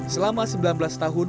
selama sembilan belas tahun